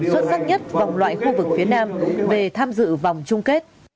xuất sắc nhất vòng loại khu vực phía nam về tham dự vòng chung kết